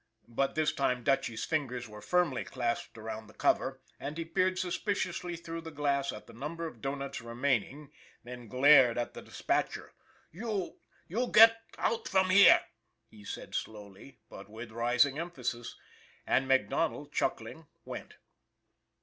But this time Dutchy's fingers were firmly clasped around the cover, and he peered suspiciously through the glass at the number of doughnuts remaining, then glared at the dispatcher. " You you git out from here !" he said slowly, but with rising emphasis. And MacDonald, chuckling, went.